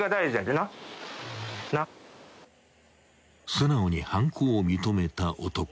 ［素直に犯行を認めた男］